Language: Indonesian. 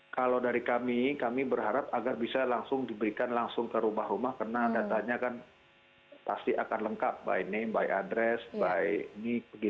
kalau dari kami kami berharap agar bisa langsung diberikan langsung ke rumah rumah karena datanya kan pasti akan lengkap by name by address by nick